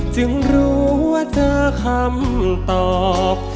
จึงรู้ว่าเจอคำตอบ